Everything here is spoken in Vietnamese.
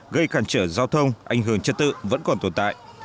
gây cản trở giao thông ảnh hưởng trật tự vẫn còn tồn tại